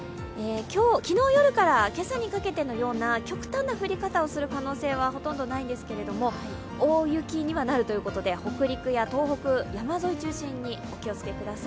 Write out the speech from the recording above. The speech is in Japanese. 昨日夜から今朝に掛けてのような極端な降り方をする可能性はほとんどないんですけれども、大雪にはなるということで北陸や東北、山沿いを中心にお気をつけください。